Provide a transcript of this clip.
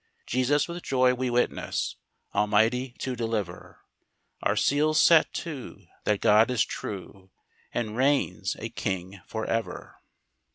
"Jesus with joy we witness Almighty to deliver, Our seals set to, that God is true, And reigns a King for ever."